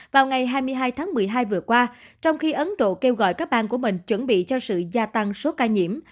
vào ngày hai mươi hai tháng một mươi hai vừa qua trong khi ấn độ kêu gọi các bang của mình chuẩn bị cho sự gia tăng số ca nhiễm